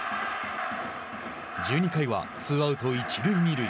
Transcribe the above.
１２回はツーアウト、一塁二塁。